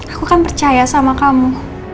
aku kan percaya sama kamu